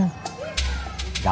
di pinggir jalan